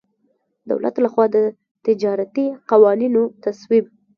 دولت له خوا د تجارتي قوانینو تصویب.